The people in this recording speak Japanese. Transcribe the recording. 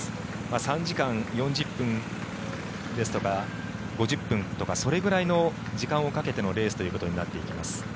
３時間４０分ですとか５０分とかそれぐらいの時間をかけてのレースとなっていきます。